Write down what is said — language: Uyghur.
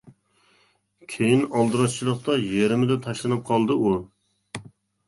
كېيىن ئالدىراشچىلىقتا يېرىمىدا تاشلىنىپ قالدى ئۇ.